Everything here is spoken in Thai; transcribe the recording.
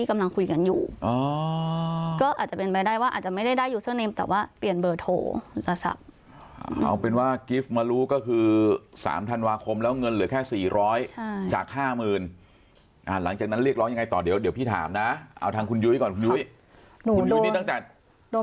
มันก็จะโดนมี๔ทุ่ม๕นาทีแล้วเวลามันก็จะใกล้เคียงกัน